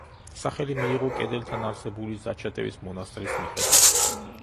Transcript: სახელი მიიღო კედელთან არსებული ზაჩატევის მონასტრის მიხედვით.